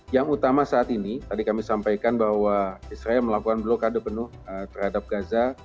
yang utama saat ini tadi kami sampaikan bahwa israel melakukan blokade penuh terhadap gaza